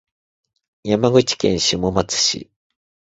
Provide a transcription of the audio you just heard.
山口県下松市